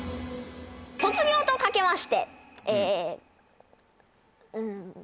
卒業とかけまして。